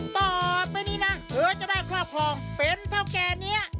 ต่อไปนี้นะเธอจะได้ครอบครองเป็นเท่าแก่นี้